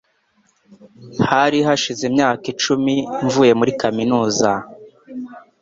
Hari hashize imyaka icumi mvuye muri kaminuza.